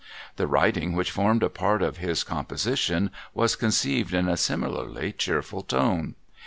The writing which formed a part of his com l)Osition was conceived in a similarly cheerful tone.